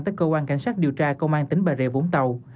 tới cơ quan cảnh sát điều tra công an tỉnh bà rịa vũng tàu